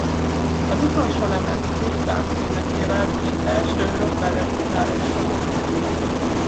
Az utolsó lemez Chris Barnes énekével és az első Rob Barrett gitárossal.